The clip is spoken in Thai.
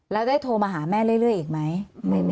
แล้วได้โทรมาหาแม่เรื่อยอีกไหม